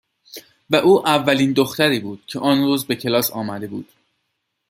و او اولین دختری بود که آن روز به کلاس آمده بود.